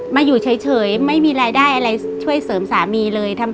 มาอยู่เฉยไม่มีรายได้อะไรช่วยเสริมสามีเลย